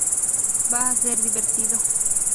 Va a ser divertido".